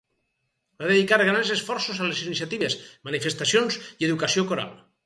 Va dedicar grans esforços a les iniciatives, manifestacions i educació coral.